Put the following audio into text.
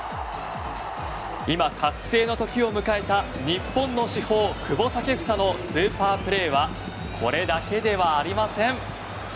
今、覚醒の時を迎えた日本の至宝、久保建英のスーパープレーはこれだけではありません。